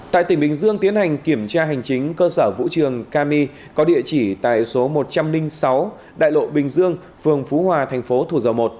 tại tỉnh bình dương tiến hành kiểm tra hành chính cơ sở vũ trường kami có địa chỉ tại số một trăm linh sáu đại lộ bình dương phường phú hòa thành phố thủ dầu một